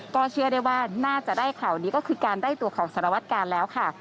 ก็เชื่อได้ว่าน่าจะได้ข่าวนี้ก็คือการได้ตัวของสารวัตกาลแล้วค่ะ